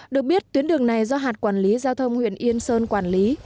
được biết tuyến đường này do hạt quản lý giao thông huyện yên sơn quản lý